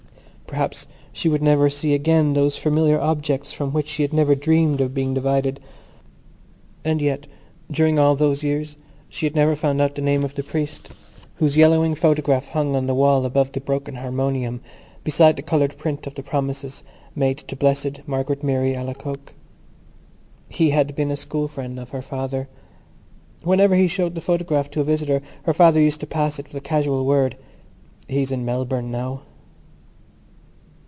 Perhaps she would never see again those familiar objects from which she had never dreamed of being divided. And yet during all those years she had never found out the name of the priest whose yellowing photograph hung on the wall above the broken harmonium beside the coloured print of the promises made to Blessed Margaret Mary Alacoque. He had been a school friend of her father. Whenever he showed the photograph to a visitor her father used to pass it with a casual word: "He is in Melbourne now."